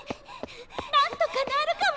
なんとかなるかも！